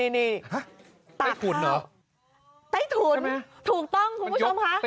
นี่ตากไต้ถุนเหรอ